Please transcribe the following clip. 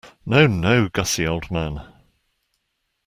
No, no, Gussie, old man.